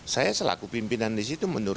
saya selaku pimpinan di situ menurut